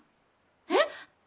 えっ！